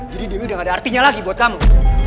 jadi dewi udah gak ada artinya lagi buat kamu